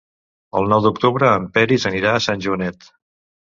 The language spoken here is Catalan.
El nou d'octubre en Peris anirà a Sant Joanet.